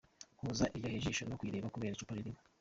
Huza iryoheye ijisho no kuyireba kubera icupa irimo.